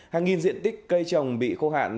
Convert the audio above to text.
hàng nghìn diện tích cây trồng bị khô hạn